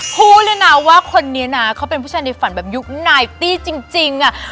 พูดเลยนะว่าคนนี้นะเขาเป็นผู้ชายในฝันแบบยุคนายตี้จริงอ่ะ